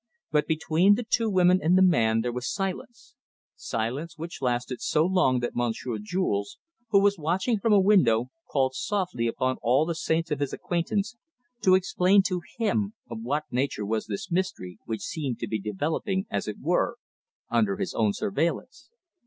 But between the two women and the man there was silence silence which lasted so long that Monsieur Jules, who was watching from a window, called softly upon all the saints of his acquaintance to explain to him of what nature was this mystery, which seemed to be developing, as it were, under his own surveillance.